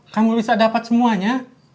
kamu bisa dapet semuanya